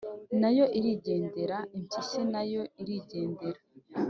nayo irigendera. impyisi na yo irigendera